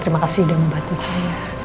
terima kasih sudah membantu saya